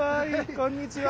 こんにちは。